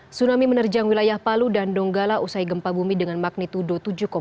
tsunami menerjang wilayah palu dan donggala usai gempa bumi dengan magnitudo tujuh empat